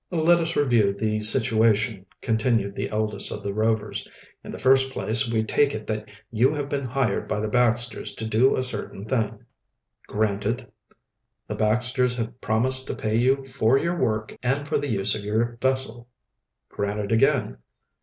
"Let us review the situation," continued the eldest of the Rovers. "In the first place, we take it that you have been hired by the Baxters to do a certain thing." "Granted." "The Baxters have promised to pay you for your work and for the use of your vessel." "Granted again."